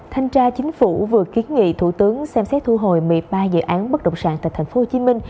thanh tra chính phủ vừa kiến nghị thủ tướng xem xét thu hồi một mươi ba dự án bất động sản tại tp hcm